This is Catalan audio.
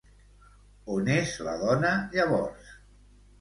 On és la dona llavors?